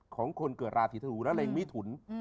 ของคนเกิดราศีธนูและเร็งมิถุน